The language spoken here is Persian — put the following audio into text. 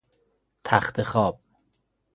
تختخواب